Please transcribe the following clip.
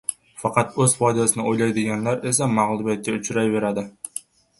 Faqat o‘z foydasini o‘ylaydiganlar esa mag‘lubiyatga uchrayveradi.